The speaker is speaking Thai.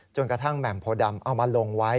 กระทั่งแหม่มโพดำเอามาลงไว้